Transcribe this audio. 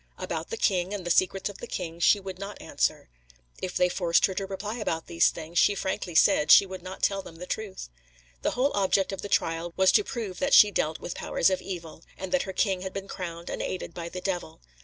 About the king, and the secrets of the king, she would not answer. If they forced her to reply about these things, she frankly said, she would not tell them the truth. The whole object of the trial was to prove that she dealt with powers of evil, and that her king had been crowned and aided by the devil.